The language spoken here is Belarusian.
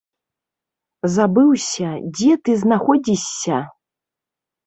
Забыўся, дзе ты знаходзішся?